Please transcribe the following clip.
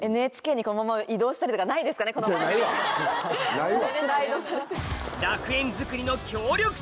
ないわ。